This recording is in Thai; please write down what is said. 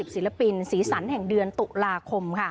ศิลปินสีสันแห่งเดือนตุลาคม